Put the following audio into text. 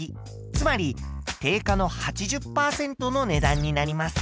つまり定価の８０％の値段になります。